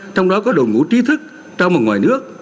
trong đó có đội ngũ trí thức trong và ngoài nước